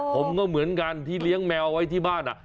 ผมก็เหมือนกันที่เลี้ยงแมวไว้ที่บ้าน